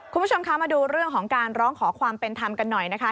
คุณผู้ชมคะมาดูเรื่องของการร้องขอความเป็นธรรมกันหน่อยนะคะ